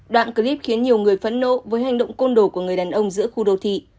đoạn clip khiến nhiều người phẫn nộ với hành động côn đổ của người đàn ông giữa khu đô thị